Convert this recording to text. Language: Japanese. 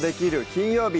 金曜日」